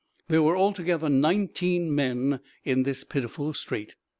There were altogether nineteen men in this pitiful strait.